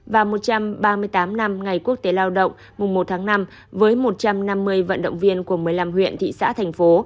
và một trăm ba mươi tám năm ngày quốc tế lao động mùng một tháng năm với một trăm năm mươi vận động viên của một mươi năm huyện thị xã thành phố